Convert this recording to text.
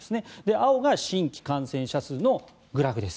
青が新規感染者数のグラフです。